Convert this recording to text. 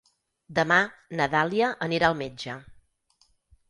Demà na Dàlia anirà al metge.